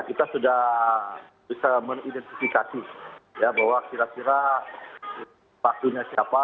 kita sudah bisa mengidentifikasi bahwa kira kira waktunya siapa